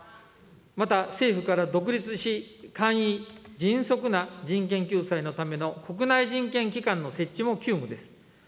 また政府から独立し、簡易・迅速な人権救済のための国内人権機関の設置も急務です。